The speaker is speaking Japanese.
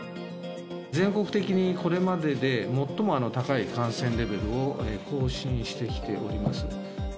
全国的にこれまでで最も高い感染レベルを更新してきております。